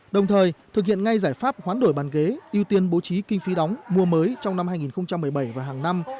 đồng thời thực hiện ngay giải pháp hoán đổi bàn ghế ưu tiên bố trí kinh phí đóng mua mới trong năm hai nghìn một mươi bảy và hàng năm